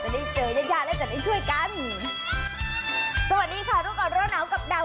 จะได้เจอยาติและจะได้ช่วยกันสวัสดีค่ะทุกคนร่วมน้ำกับดาว